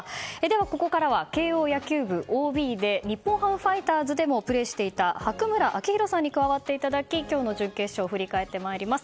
ここからは慶応野球部ＯＢで日本ハムファイターズでもプレーしていた白村明弘さんに加わっていただき今日の準決勝を振り返ってまいります。